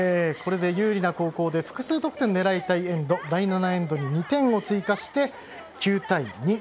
これで有利な後攻で複数得点を狙いたいエンド第７エンドに２点を追加して９対２。